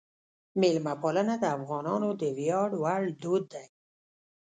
میلمهپالنه د افغانانو د ویاړ وړ دود دی.